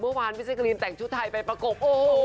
เมื่อวานวิซิกรีนแต่งชุดไทยไปประกบ